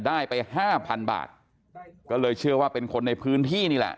ได้ไปห้าพันบาทก็เลยเชื่อว่าเป็นคนในพื้นที่นี่แหละ